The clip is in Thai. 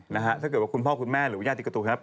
นะฮะถ้าเกิดว่าคุณพ่อคุณแม่หรือว่าย่างติ๊กกระตูนะครับ